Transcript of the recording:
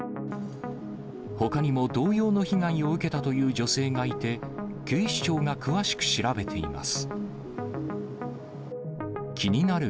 ほかにも同様の被害を受けたという女性がいて、警視庁が詳しく調べています。